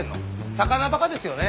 魚バカですよね。